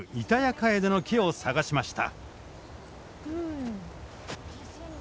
カエデの木を探しました。